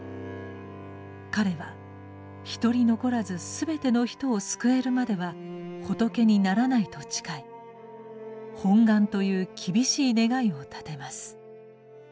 彼は一人残らず全ての人を救えるまでは仏にならないと誓い「本願」という厳しい願いを立てます。